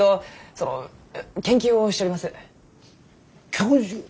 教授？